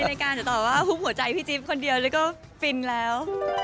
ในการจะตอบว่าหุบหัวใจพี่จิ๊บคนเดียวเลยก็ฟินแล้ว